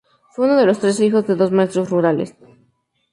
Fue uno de los trece hijos de dos maestros rurales.